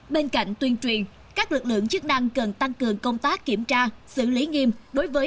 bên cạnh tuyên truyền các lực lượng chức năng cần tăng cường công tác kiểm tra xử lý nghiêm đối với